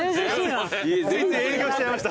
営業しちゃいました。